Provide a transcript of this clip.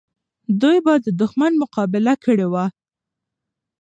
دوی به د دښمن مقابله کړې وه.